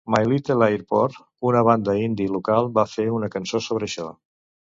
My Little Airport, una banda indie local, va fer una cançó sobre això.